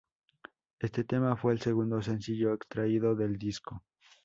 Este tema fue el segundo sencillo extraído del disco.